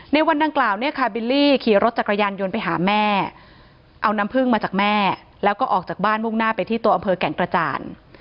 ในวันดังกล่าวเนี่ยค่ะบิลลี่ขี่รถจักรยานยนต์ไปหาแม่เอาน้ำพึ่งมาจากแม่แล้วก็ออกจากบ้านมุ่งหน้าไปที่ตัวอำเภอแก่งกระจาน